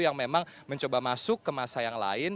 yang memang mencoba masuk ke masa yang lain